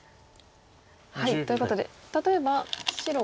ということで例えば白が。